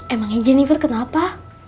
emangnya jennifer kenapa